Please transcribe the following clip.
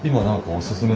おすすめ。